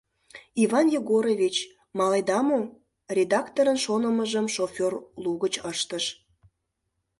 — Иван Егорович, маледа мо? — редакторын шонымыжым шофёр лугыч ыштыш.